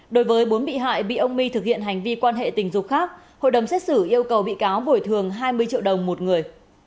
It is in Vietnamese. đối với bốn bị hại bị ông my thực hiện hành vi quan hệ tình dục khác hội đồng xét xử yêu cầu bị cáo bồi thường hai mươi triệu đồng một người